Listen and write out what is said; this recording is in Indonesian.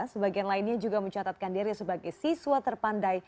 sebagian lainnya juga mencatatkan diri sebagai siswa terpandai